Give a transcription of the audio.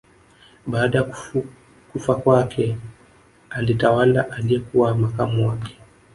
Baada ya kufa kwake alitawala aliyekuwa makamu wake